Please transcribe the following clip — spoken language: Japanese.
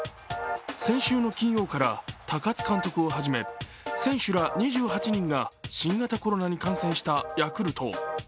先週の金曜から高津監督をはじめ選手ら２８人が新型コロナに感染したヤクルト。